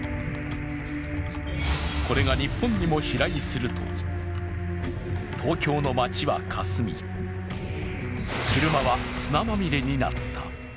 これが日本にも飛来すると東京の街はかすみ、車は砂まみれになった。